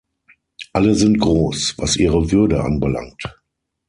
Alle sind groß, was ihre Würde anbelangt.